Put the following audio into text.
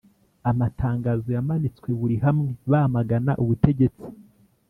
Amatagazo yamanitswe buri hamwe bamagana ubutegetsi